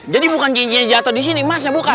jadi bukan cincinnya jatuh di sini emas ya bukan